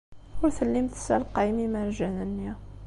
Ur tellim tessalqayem imerjan-nni.